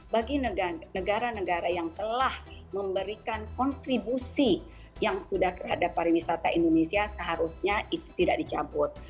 bagi negara negara yang telah memberikan konstribusi yang sudah terhadap pariwisata indonesia seharusnya itu tidak dicabut